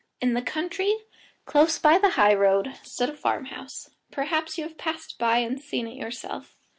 In the country, close by the high road, stood a farmhouse; perhaps you have passed by and seen it yourself.